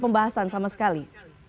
pembahasan sama sekali